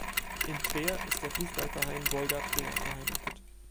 In Twer ist der Fußballverein Wolga Twer beheimatet.